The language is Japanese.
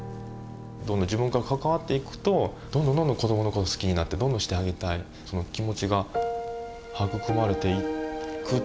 自分が関わっていくとどんどんどんどん子どもの事好きになってどんどんしてあげたいその気持ちが育まれていく。